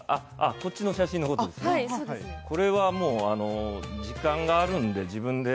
この写真は時間があるので自分で。